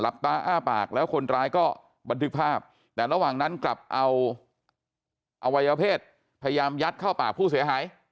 ตาอ้าปากแล้วคนร้ายก็บันทึกภาพแต่ระหว่างนั้นกลับเอาอวัยวเพศพยายามยัดเข้าปากผู้เสียหาย